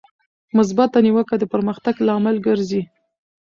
مثبته نیوکه د پرمختګ لامل ګرځي.